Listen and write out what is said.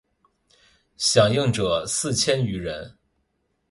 响应者四千余人。